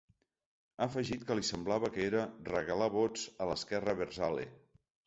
Ha afegit que li semblava que era ‘regalar vots a l’esquerra abertzale’.